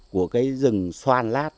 của cái rừng xoan lát